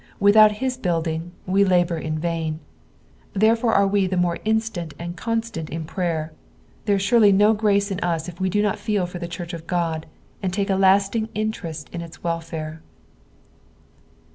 Without his building we labour in vain ; therefore are we the more instant and constant in prayer. There is surely no grace in us if we do not feel for the church of Qod, and take a lasting interest in its welfare.